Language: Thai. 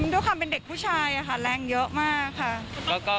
ด้วยความเป็นเด็กผู้ชายค่ะแรงเยอะมากค่ะ